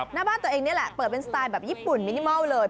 หน้าบ้านตัวเองนี่แหละเปิดเป็นสไตล์แบบญี่ปุ่นมินิมอลเลย